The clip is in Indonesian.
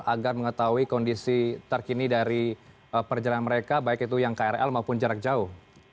agar mengetahui kondisi terkini dari perjalanan mereka baik itu yang krl maupun jarak jauh